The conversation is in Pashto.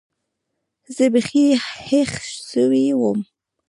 زه بيخي هېښ سوى وم.